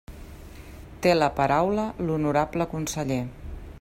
Té la paraula l'honorable conseller.